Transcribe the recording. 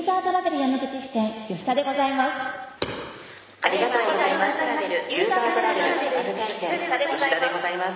ありがとうございます。